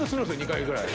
２回ぐらい。